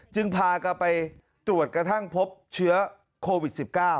พากลับไปตรวจกระทั่งพบเชื้อโควิด๑๙